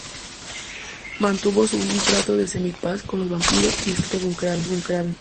Mantuvo un tratado de Semi-Paz con los vampiros, y estaba en contacto con Kraven.